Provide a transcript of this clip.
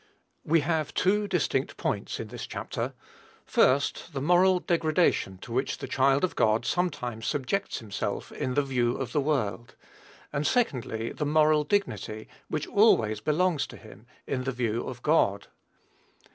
We have two distinct points in this chapter: first, the moral degradation to which the child of God sometimes subjects himself in the view of the world; and, secondly, the moral dignity which always belongs to him in the view of God.